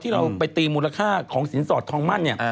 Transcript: พอเราไปตีมูลค่าของศรีสอร์ธ์ทองมั่นเนี่ย